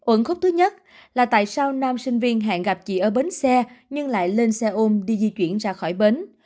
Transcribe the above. ẩn khúc thứ nhất là tại sao nam sinh viên hẹn gặp chị ở bến xe nhưng lại lên xe ôm đi di chuyển ra khỏi bến